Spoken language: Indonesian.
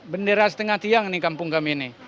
bendera setengah tiang di kampung kami ini